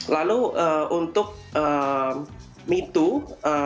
lalu untuk me too